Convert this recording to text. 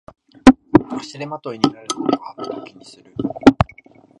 足手まといになるのではと気にする